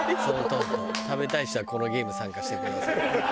「食べたい人はこのゲーム参加してください」。